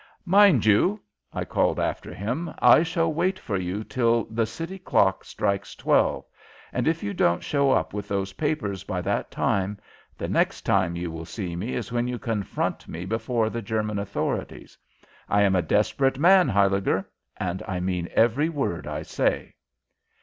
"Mind you," I called after him, "I shall wait for you till the city clock strikes twelve, and if you don't show up with those papers by that time, the next time you will see me is when you confront me before the German authorities! I am a desperate man, Huyliger, and I mean every word I say!"